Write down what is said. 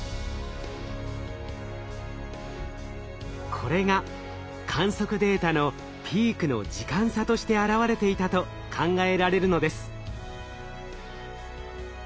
これが観測データのピークの時間差として現れていたと考えられるのです。